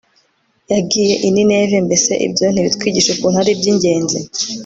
yagiye i nineve mbese ibyo ntibitwigisha ukuntu ari iby ingenzi